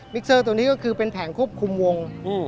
เซอร์ตัวนี้ก็คือเป็นแผงควบคุมวง